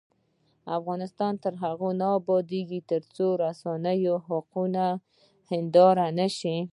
افغانستان تر هغو نه ابادیږي، ترڅو رسنۍ د حقایقو هنداره نشي.